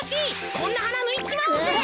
こんなはなぬいちまおうぜ。